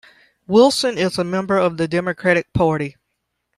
Wilson is a member of the Democratic Party.